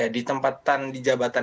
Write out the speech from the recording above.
di tempatan di jabatan